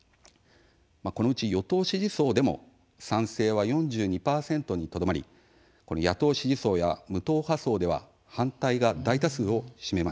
このうち与党支持層でも「賛成」は４２％にとどまり野党支持層や無党派層では「反対」が大多数を占めました。